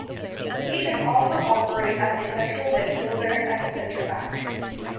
He can also operate as a central midfielder and centre-back.